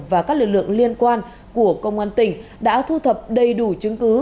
và các lực lượng liên quan của công an tỉnh đã thu thập đầy đủ chứng cứ